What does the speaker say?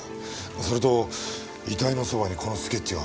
それと遺体のそばにこのスケッチが。